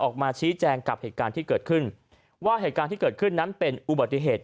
ออกมาชี้แจงกับเหตุการณ์ที่เกิดขึ้นว่าเหตุการณ์ที่เกิดขึ้นนั้นเป็นอุบัติเหตุ